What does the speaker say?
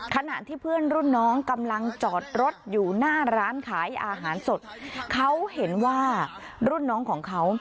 ขณะที่เพื่อนรุ่นน้องกำลังจอดรถอยู่หน้าร้านขายอาหารสดเขาเห็นว่ารุ่นน้องของเขา